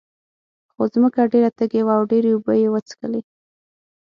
خو ځمکه ډېره تږې وه او ډېرې اوبه یې وڅکلې.